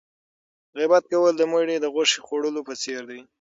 غیبت کول د مړي د غوښې خوړلو په څېر دی.